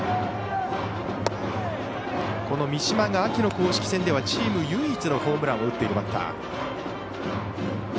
この美島が秋の公式戦ではチーム唯一のホームランを打っているバッター。